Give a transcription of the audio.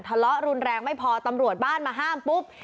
ทะเลาะรุนแรงไม่พอตำรวจบ้านมาห้ามปุ๊บ